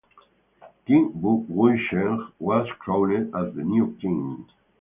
King Wucheng was crowned as the new king.